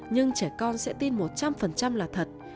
nhưng trẻ con sẽ tin một trăm linh là thật